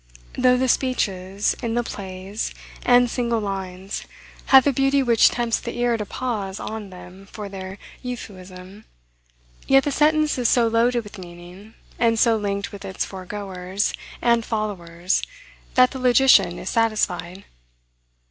Though the speeches in the plays, and single lines, have a beauty which tempts the ear to pause on them for their euphuism, yet the sentence is so loaded with meaning, and so linked with its foregoers and followers, that the logician is satisfied.